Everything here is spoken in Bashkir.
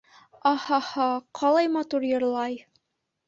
— Аһа-һа, ҡайһылай матур йырлай.